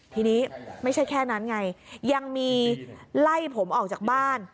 ทีนี้ไม่ใช่แค่นั้นไงยังมีไล่ผมออกจากบ้าน